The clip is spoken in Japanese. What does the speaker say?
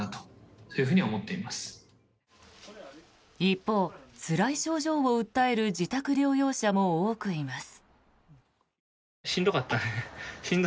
一方、つらい症状を訴える自宅療養者も多くいます。